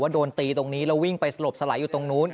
โดนตีตรงนี้แล้ววิ่งไปสลบสลายอยู่ตรงนู้น